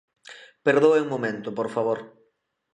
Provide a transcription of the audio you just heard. Perdoe un momento, por favor.